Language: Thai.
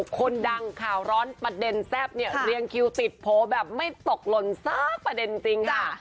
คนดังข่าวร้อนประเด็นแทรฟเรียงคิวสิบโผล่แบบไม่ตกหล่นซากประเด็นจริงค่ะ